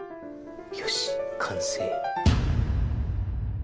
「よし完成」